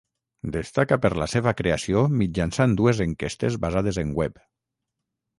Destaca per la seva creació mitjançant dues enquestes basades en web.